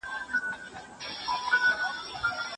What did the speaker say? څنګه په دې مات وزر یاغي له خپل صیاد سمه